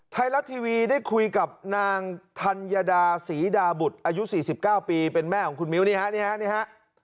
ไทยรัฐทีวีได้คุยกับนางธัญดาศรีดาบุตรอายุ๔๙ปีเป็นแม่ของคุณมิ้วนี่ฮะนี่ฮะ